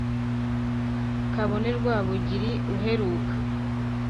Kabone Rwabugili uheruka